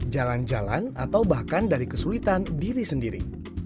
jalan jalan atau bahkan dari kesulitan diri sendiri